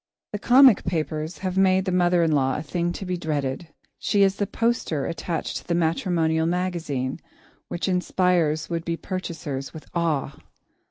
The comic papers have made the mother in law a thing to be dreaded. She is the poster attached to the matrimonial magazine which inspires would be purchasers with awe.